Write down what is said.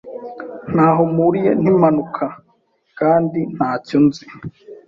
Ntaho mpuriye nimpanuka, kandi ntacyo nzi.